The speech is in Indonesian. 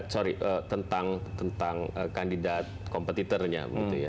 sorry tentang kandidat kompetitornya